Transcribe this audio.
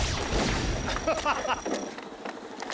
ハハハ！